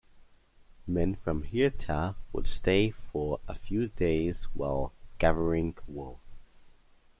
Men from Hirta would stay for a few days while gathering wool.